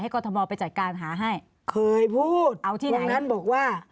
ให้กรทบาลไปจัดการหาให้เคยพูดเอาที่ไหนพระอ้วนท่านบอกว่า